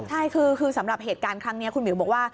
ใช่คือสำหรับเหตุการณ์ครั้งนี้คุณหมิวบอกว่า